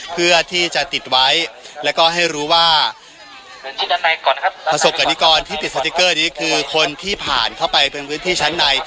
เพื่อที่จะติดไว้แล้วก็ให้รู้ว่าประสบกรณิกรที่ติดสติ๊กเกอร์นี้คือคนที่ผ่านเข้าไปเป็นพื้นที่ชั้นใน